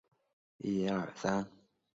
小型化设计正好满足各方所需。